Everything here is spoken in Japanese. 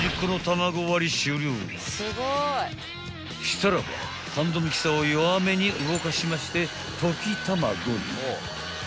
［したらばハンドミキサーを弱めに動かしまして］